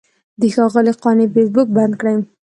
د ښاغلي قانع فیسبوک بند کړی.